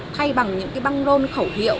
thay bằng những băng rôn khẩu hiệu